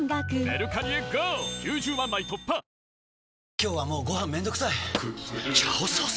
今日はもうご飯めんどくさい「炒ソース」！？